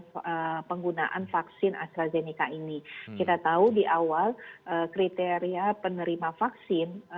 terutama terkait kriteria penggunaan vaksin astrazeneca ini kita tahu di awal kriteria penerima vaksin